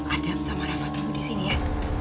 adam sama rafa tamu di sini ya